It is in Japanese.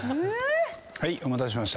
お待たせしました。